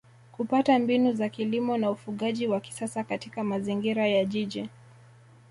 kupata mbinu za kilimo na ufugaji wa kisasa katika mazingira ya Jiji